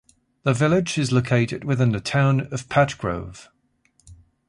The village is located within the Town of Patch Grove.